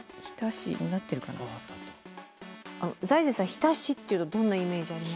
日田市っていうとどんなイメージありますか？